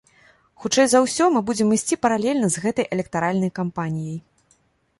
Хутчэй за ўсё, мы будзем ісці паралельна з гэтай электаральнай кампаніяй.